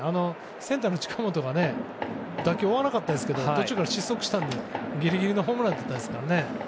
センターの近本が打球、追わなかったですけど途中から失速したのでギリギリのホームランでしたね。